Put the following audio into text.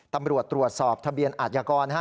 ตำรวจตรวจสอบทะเบียนอาชญากร